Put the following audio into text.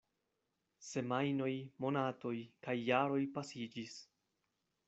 Semajnoj, monatoj, kaj jaroj pasiĝis.